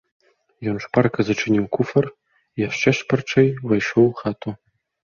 Ён шпарка зачыніў куфар і яшчэ шпарчэй увайшоў у хату.